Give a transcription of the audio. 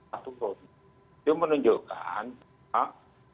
itu menunjukkan bahwa